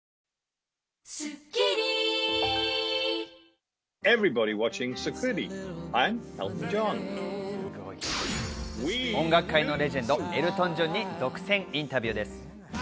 「パーフェクトホイップ」音楽界のレジェンド、エルトン・ジョンに独占インタビューです。